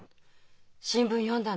新聞読んだの。